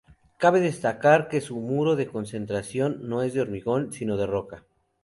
Cabe destacar que su muro de contención no es hormigón, sino de roca.